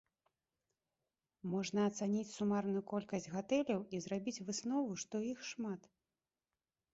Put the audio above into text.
Можна ацаніць сумарную колькасць гатэляў і зрабіць выснову, што іх шмат.